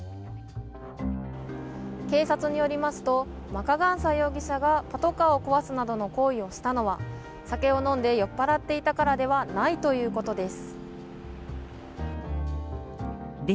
警察によりますとマカガンサ容疑者がパトカーを壊すなどの行為をしたのは酒を飲んで酔っ払っていたからではないということです。